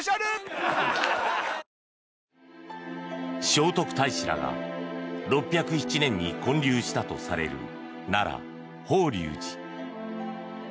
聖徳太子らが６０７年に建立したとされる奈良・法隆寺。